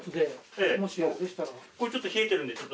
これちょっと冷えてるんでこれ。